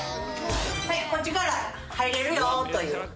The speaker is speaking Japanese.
はいこっちから入れるよというね。